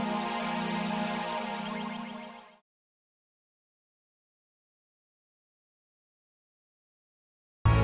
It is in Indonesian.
saya tidak tahu